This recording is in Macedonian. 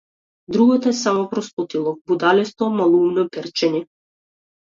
Другото е само простотилак, будалесто, малоумно перчење.